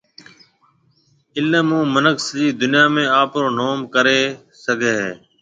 علم هون مِنک سجِي دُنيا ۾ آپرو نوم ڪريَ هگھيَََ هيَ۔